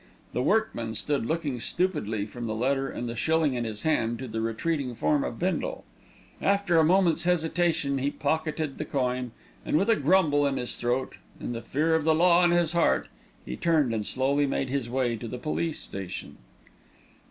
The workman stood looking stupidly from the letter and the shilling in his hand to the retreating form of Bindle. After a moment's hesitation he pocketed the coin, and with a grumble in his throat and the fear of the Law in his heart, he turned and slowly made his way to the police station.